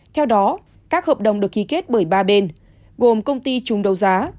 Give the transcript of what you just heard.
theo đó các hợp đồng được ký kết bởi ba bên gồm công ty chung đấu giá